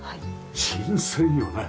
新鮮よね。